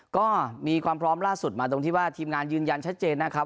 ก็มีความพร้อมล่าสุดมาตรงที่ว่าทีมงานยืนยันชัดเจนนะครับ